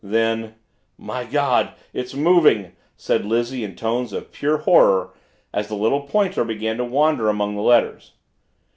Then "My Gawd! It's moving!" said Lizzie in tones of pure horror as the little pointer began to wander among the letters.